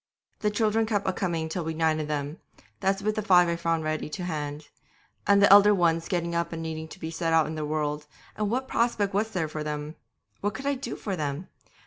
'The children kept a coming till we'd nine of them, that's with the five I found ready to hand; and the elder ones getting up and needing to be set out in the world, and what prospect was there for them? What could I do for them?